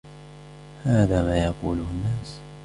هذا ما يقوله الناس.